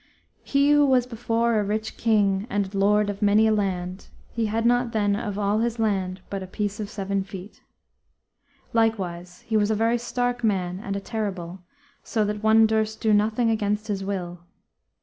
"He who was before a rich king, and lord of many a land, he had not then of all his land but a piece of seven feet. ... Likewise he was a very stark man and a terrible, so that one durst do nothing against his will.